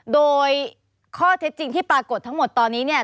โดยข้อเท็จจริงที่ปรากฏทั้งหมดตอนนี้เนี่ย